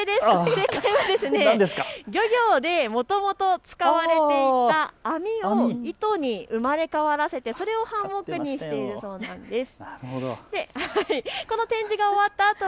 正解は漁業でもともと使われていた網を糸に生まれ変わらせてそれをハンモックにしているそうです。